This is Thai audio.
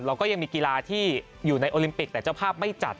เราก็ยังมีกีฬาที่อยู่ในโอลิมปิกแต่เจ้าภาพไม่จัด